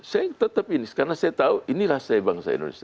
saya tetap ini karena saya tahu inilah saya bangsa indonesia